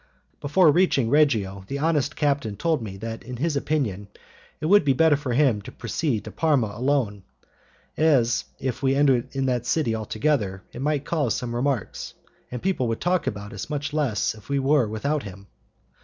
Before reaching Reggio the honest captain told me that in his opinion it would be better for him to proceed to Parma alone, as, if we arrived in that city all together, it might cause some remarks, and people would talk about us much less if we were without him.